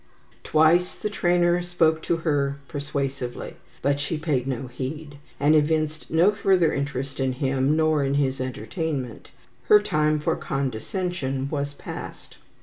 Twice the trainer spoke to her persuasively, but she paid no heed, and evinced no further interest in him nor in his entertainment. Her time for condescension was past.